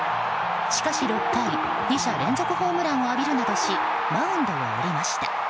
しかし６回２者連続ホームランを浴びるなどしマウンドを降りました。